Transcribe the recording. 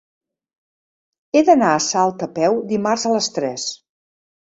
He d'anar a Salt a peu dimarts a les tres.